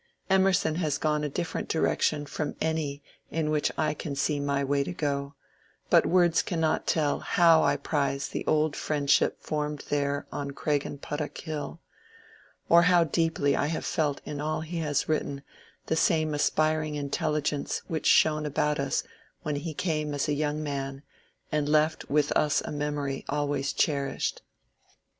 Emerson has gone a different direction from any in which I can see my way to go ; but words cannot tell how I prize the old friendship formed there on Craigenput toch Hill, or how deeply I have felt in all he has written the same aspiring intelligence which shone about us when he came as a young man, and left with us a memory always cherished. DR.